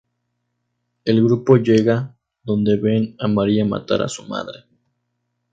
El grupo llega, donde ven a María matar a su madre.